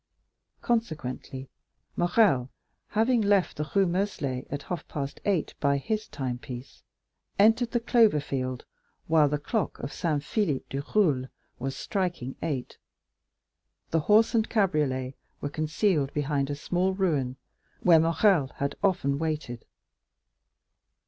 Consequently, Morrel, having left the Rue Meslay at half past eight by his timepiece, entered the clover field while the clock of Saint Philippe du Roule was striking eight. The horse and cabriolet were concealed behind a small ruin, where Morrel had often waited.